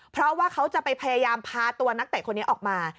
เพราะว่าเขาจะไปพยายามพาตัวนักเตะคนนี้ออกมา